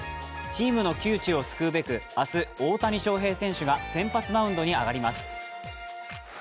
チームの窮地を救うべく、明日、大谷翔平選手が先発マウンドに上がります。